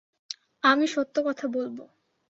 আমি সত্য কথা বলব।